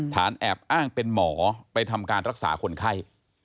แอบอ้างเป็นหมอไปทำการรักษาคนไข้